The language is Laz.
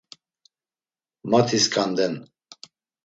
Mati skanden.